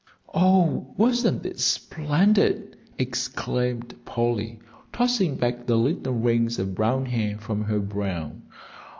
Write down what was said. "Oh, wasn't it splendid!" exclaimed Polly, tossing back the little rings of brown hair from her brow.